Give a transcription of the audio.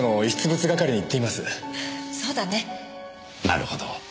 なるほど。